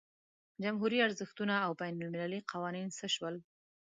جمهوري ارزښتونه او بین المللي قوانین څه شول.